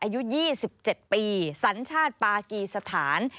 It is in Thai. อายุ๒๗ปีสัญชาติปากีสถาน